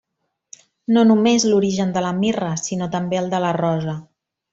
No només l'origen de la mirra, sinó també el de la rosa.